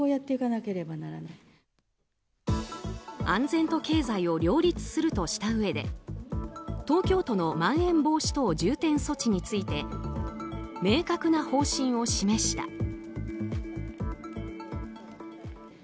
安全と経済を両立するとしたうえで東京都のまん延防止等重点措置について明確な方針を示した。